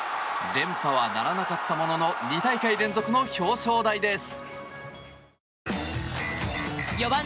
連覇はならなかったものの２大会連続の表彰台です。